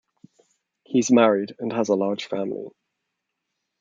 He is married and has a large family.